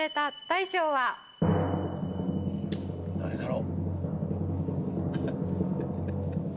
誰だろう。